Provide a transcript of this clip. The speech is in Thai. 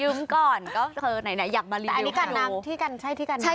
ยื้มก่อนก็อยากมารีวิว